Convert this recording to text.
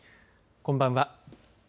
こんばんは。